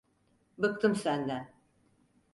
Bıktım senden.